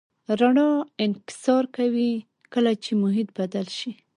رڼا انکسار کوي کله چې محیط بدل شي.